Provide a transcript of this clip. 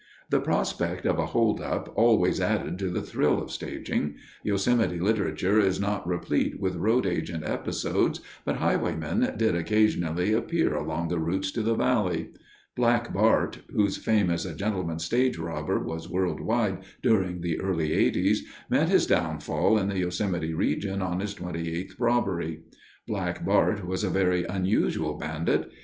The prospect of a holdup always added to the thrill of staging. Yosemite literature is not replete with road agent episodes, but highwaymen did occasionally appear along the routes to the valley. "Black Bart," whose fame as a gentleman stage robber was world wide during the early 'eighties, met his downfall in the Yosemite region on his twenty eighth robbery. Black Bart was a very unusual bandit.